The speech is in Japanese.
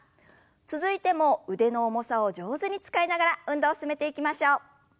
続いても腕の重さを上手に使いながら運動を進めていきましょう。